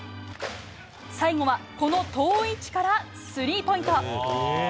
最後は、この遠い位置からスリーポイント。